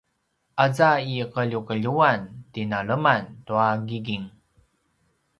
aza i qeljuqeljuan tinaleman tua gingin